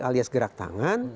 alias gerak tangan